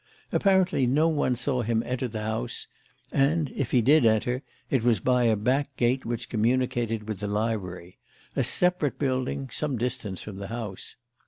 Apparently no one saw him enter the house, and, if he did enter, it was by a back gate which communicated with the library a separate building some distance from the house.